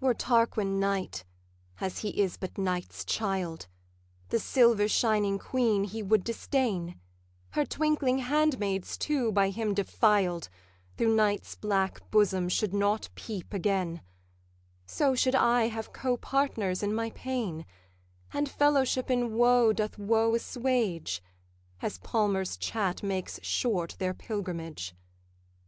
'Were Tarquin Night, as he is but Night's child, The silver shining queen he would distain; Her twinkling handmaids too, by him defiled, Through Night's black bosom should not peep again: So should I have co partners in my pain; And fellowship in woe doth woe assuage, As palmers' chat makes short their pilgrimage.